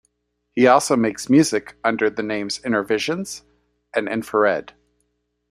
He also makes music under the names Innervisions and Infrared.